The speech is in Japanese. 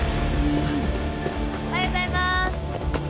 おはようございます！